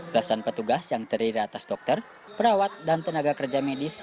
gasan petugas yang terdiri atas dokter perawat dan tenaga kerja medis